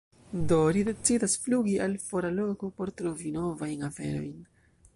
Do ri decidas flugi al fora loko por trovi novajn aferojn.